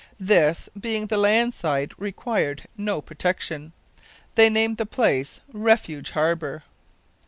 This, being the land side, required no protection. They named the place "Refuge Harbour."